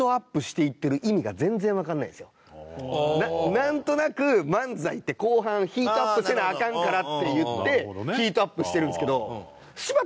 なんとなく漫才って後半ヒートアップせなアカンからっていってヒートアップしてるんですけど。